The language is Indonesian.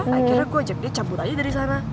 akhirnya gue ajak dia campur aja dari sana